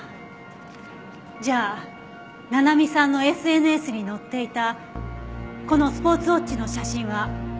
じゃあ七海さんのＳＮＳに載っていたこのスポーツウォッチの写真は。